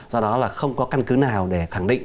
do đó là không có căn cứ nào để khẳng định